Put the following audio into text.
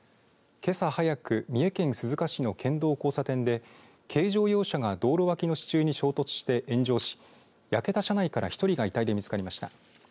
けさ早く、三重県鈴鹿市の県道交差点で軽乗用車が、道路脇の支柱に衝突して炎上し焼けた車内から１人が遺体で見つかりました。